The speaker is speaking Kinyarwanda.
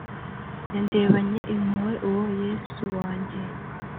Yandebanye impuhwe uwo yesu wanjye